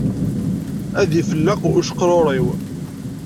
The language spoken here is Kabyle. Ad ifelleq uceqrur-iw